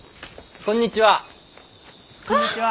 こんにちは！